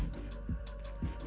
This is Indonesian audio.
sibuk itu iya